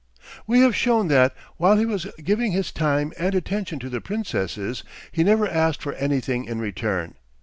"We have shown that, while he was giving his time and attention to the princesses, he never asked for anything in return.